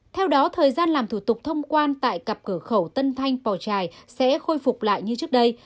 theo đó thời gian làm thủ tục thông quan tại cặp cửa khẩu tân thanh pò trài sẽ khôi phục lại như trước đây